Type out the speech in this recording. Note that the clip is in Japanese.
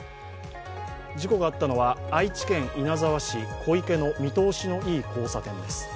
事故があったのは、愛知県稲沢市小池の見通しのいい交差点です。